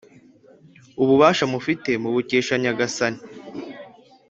Ububasha mufite mubukesha Nyagasani,